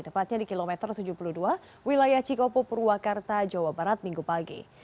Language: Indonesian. tepatnya di kilometer tujuh puluh dua wilayah cikopo purwakarta jawa barat minggu pagi